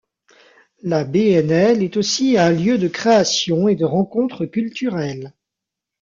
La BnL est aussi un lieu de création et de rencontre culturelle.